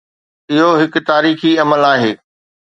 اهو هڪ تاريخي عمل آهي.